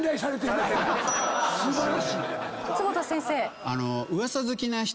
坪田先生。